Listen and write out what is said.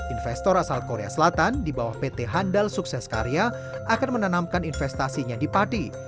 investor asal korea selatan di bawah pt handal sukses karya akan menanamkan investasinya di pati